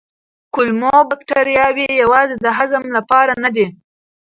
کولمو بکتریاوې یوازې د هضم لپاره نه دي.